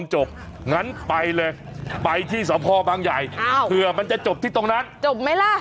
ให้ที่สาวพ่อบางใหญ่เผื่อมันจะจบที่ตรงนั้นจบไหมล่ะ